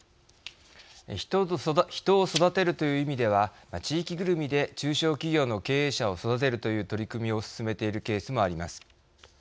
人を育てるという意味では、地域ぐるみで中小企業の経営者を育てるという取り組みを進めているケースもあります。